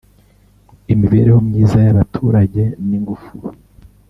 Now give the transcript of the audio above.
imibereho myiza y’abaturage n’ingufu